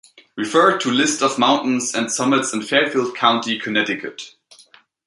Refer to List of Mountains and Summits in Fairfield County, Connecticut.